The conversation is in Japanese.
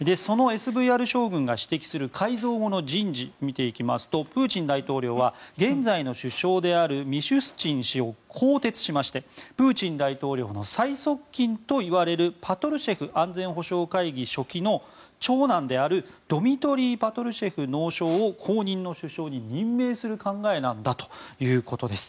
そのＳＶＲ将軍が指摘する改造後の人事を見ていきますとプーチン大統領は現在の首相であるミシュスチン氏を更迭しまして、プーチン大統領の最側近といわれるパトルシェフ安全保障会議書記の長男であるドミトリー・パトルシェフ農相を後任の首相に任命する考えなんだということです。